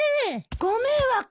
ご迷惑よ！